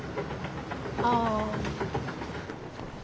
ああ。